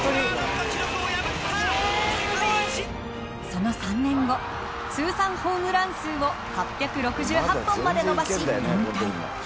その３年後通算ホームラン数を８６８本まで伸ばし引退。